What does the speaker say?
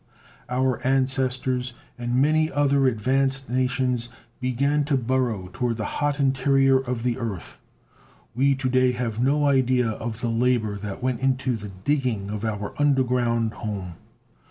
"Our ancestors, and many other advanced nations, began to burrow toward the hot interior of the earth. We to day have no idea of the labor that went into the digging of our underground home.